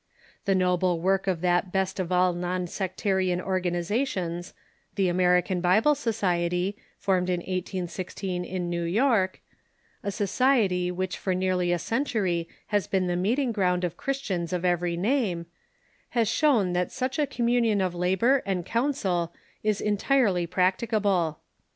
The noble Avork of that best of all non sectarian organizations, the American Bible Society, formed in 1816 in New York — a society which for nearly a century has been the meeting ground of Christians of every name — has shown that such a communion of labor and counsel is entirely practica ble.